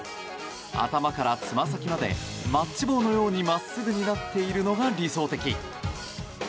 頭からつま先までマッチ棒のように真っすぐになっているのが理想的。